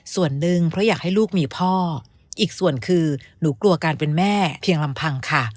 ส่วนหนึ่งเพราะอยากให้ลูกมีพ่ออีกส่วนคือหนูกลัวการเป็นแม่เพียงลำพังค่ะ